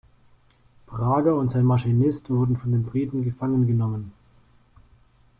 Prager und sein Maschinist wurden von den Briten gefangen genommen.